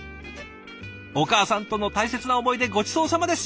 お母さんとの大切な思い出ごちそうさまです。